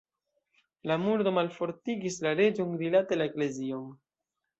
La murdo malfortigis la reĝon rilate la eklezion.